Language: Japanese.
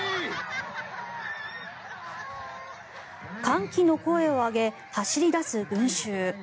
歓喜の声を上げ走りだす群衆。